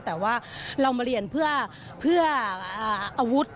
แต่ว่าเรามาเรียนเพื่ออาวุธ